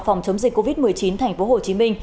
phòng chống dịch covid một mươi chín tp hcm